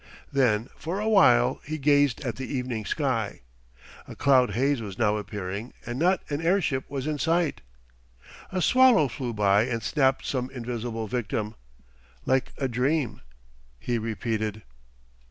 Then for a while he gazed at the evening sky. A cloud haze was now appearing and not an airship was in sight. A swallow flew by and snapped some invisible victim. "Like a dream," he repeated.